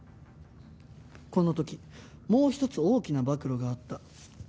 この時もう一つ大きな暴露があった。